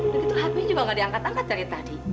begitu hape juga gak diangkat angkat dari tadi